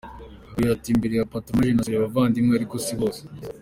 Uyu ati: “ mbere ya patronage nasuye abavandimwe, ariko si bose.